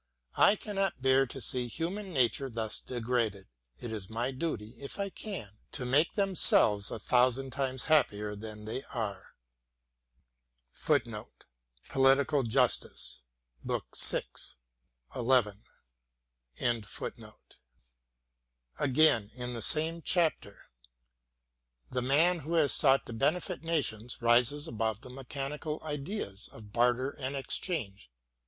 I cannot bear to see human nature thus degraded. It is my duty, if I can, to make themselves a thousand times happier than they are. * Again, in the same chapter: The man who has sought to benefit nations rises above the mechanical ideas of barter and exchange.